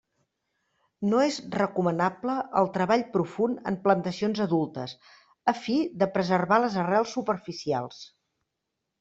No és recomanable el treball profund en plantacions adultes, a fi de preservar les arrels superficials.